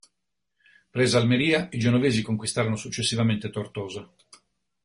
Presa Almeria, i genovesi conquistarono successivamente Tortosa.